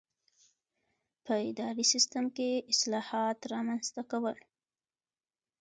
په اداري سیسټم کې اصلاحات رامنځته کول.